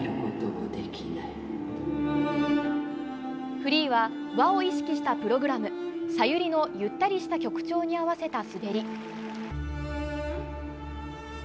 フリーは和を意識したプログラム「ＳＡＹＵＲＩ」のゆったりした曲調に合わせた滑り。